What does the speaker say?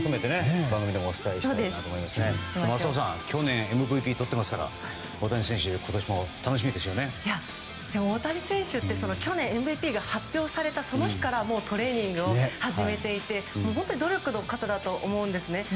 去年ＭＶＰとってますから大谷選手大谷選手って去年、ＭＶＰが発表された日からトレーニングを始めていて本当に努力の方だと思うんですね。